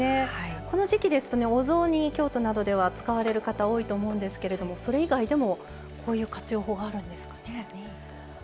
この時季、お雑煮京都などでは使われる方多いと思いますけどそれ以外でも、こういう活用法があるんですかね。